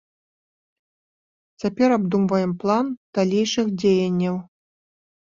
Цяпер абдумваем план далейшых дзеянняў.